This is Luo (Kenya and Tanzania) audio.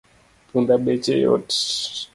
Punda beche yot